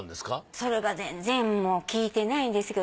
それが全然もう聞いてないんですけど。